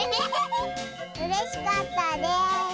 うれしかったです。